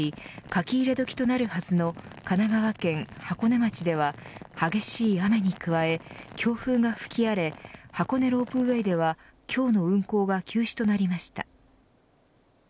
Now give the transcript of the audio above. かき入れ時となるはずの神奈川県箱根町では激しい雨に加え、強風が吹き荒れ箱根ロープウェイでは今日の運行が休止となりました。